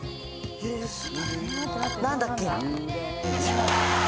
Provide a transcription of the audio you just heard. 何だっけ？